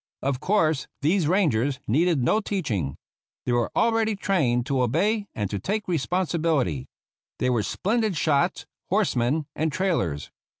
Of course, these rangers needed no teaching. They were already trained to obey and to take responsibility. They were splendid shots, horsemen, and trailers.